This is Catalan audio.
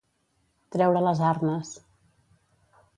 Treure les arnes.